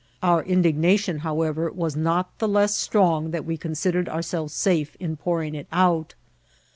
Our indignation, however, was not the less strong that we considered ourselves safe in pouring it out.